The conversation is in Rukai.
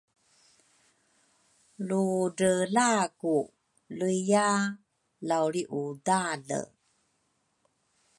ludrelaku luiya lau lriudale.